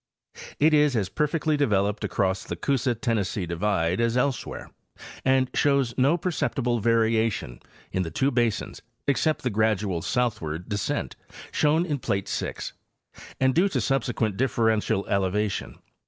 It is as perfectly developed across the Coosa Tennessee divide as elsewhere, and shows no perceptible variation in the two basins except the gradual southward de scent shown in plate 6 and due to subsequent differential eleva tion.